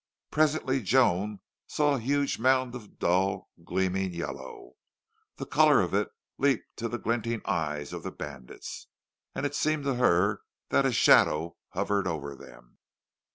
Presently Joan saw a huge mound of dull, gleaming yellow. The color of it leaped to the glinting eyes of the bandits. And it seemed to her that a shadow hovered over them.